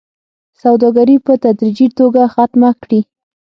سوداګري په تدريجي توګه ختمه کړي